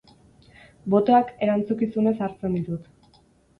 Botoak erantzukizunez hartzen ditut.